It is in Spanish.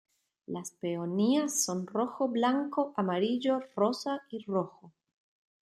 Las peonías son rojo, blanco, amarillo, rosa y rojo.